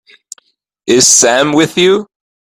Is Sam with you?